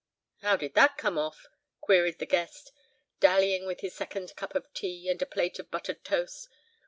"How did that come off?" queried the guest, dallying with his second cup of tea, and a plate of buttered toast.